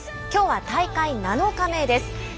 きょうは大会７日目です。